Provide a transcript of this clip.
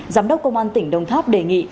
giám đốc công an tỉnh đồng tháp đề nghị